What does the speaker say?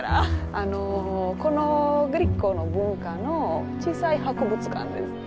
あのこのグリコの文化の小さい博物館です。